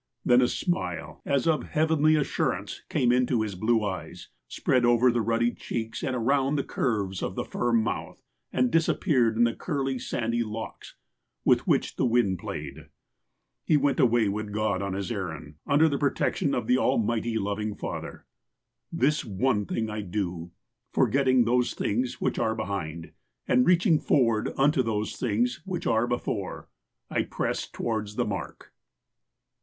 Then a smile, as of heavenly assurance, came into hia blue eyes, spread over the ruddy cheeks, and around the curves of the firm mouth and disappeared in the curly, sandy locks with which the wind played. He went away with God on His errand, under the pro tection of the almighty loving Father. '' This one thing I do, forgetting those things which are behind, and reaching forward unto those things which are before, I press towards the mark."